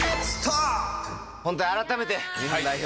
本当に改めて、日本代表